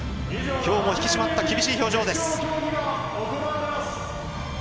きょうも引き締まった厳しい表情です。